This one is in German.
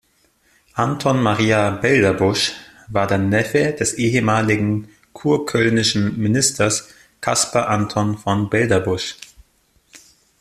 Anton Maria Belderbusch war der Neffe des ehemaligen kurkölnischen Ministers Caspar Anton von Belderbusch.